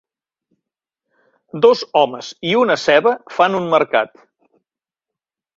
Dos homes i una ceba fan un mercat.